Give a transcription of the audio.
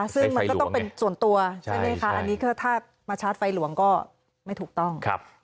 ซึ่งมันก็ต้องเป็นส่วนตัวใช่ไหมคะอันนี้ก็ถ้ามาชาร์จไฟหลวงก็ไม่ถูกต้อง